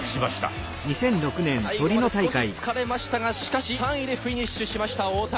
最後まで少し疲れましたがしかし３位でフィニッシュしました太田。